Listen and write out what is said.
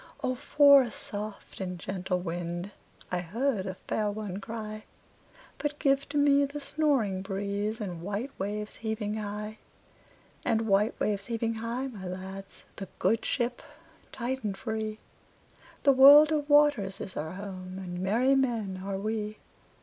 "O for a soft and gentle wind!"I heard a fair one cry:But give to me the snoring breezeAnd white waves heaving high; And white waves heaving high, my lads, The good ship tight and free—The world of waters is our home, And merry men are we.